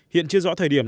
hiện chưa rõ thời điểm